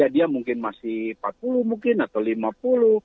dia mungkin masih empat puluh mungkin atau lima puluh